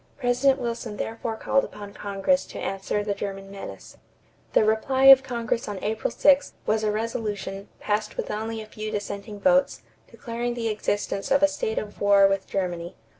President Wilson therefore called upon Congress to answer the German menace. The reply of Congress on April 6 was a resolution, passed with only a few dissenting votes, declaring the existence of a state of war with Germany.